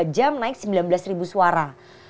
dua jam naik sembilan belas ribu suara